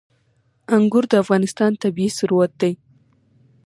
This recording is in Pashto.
انګور د افغانستان طبعي ثروت دی.